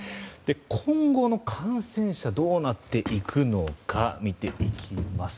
今後の感染者はどうなっていくのか見ていきます。